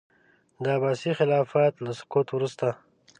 د عباسي خلافت له سقوط وروسته.